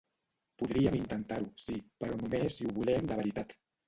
Podríem intentar-ho, sí, però només si ho volem de veritat.